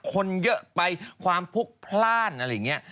คนเยอะไปความพลุกพลาดอะไรอย่างนี้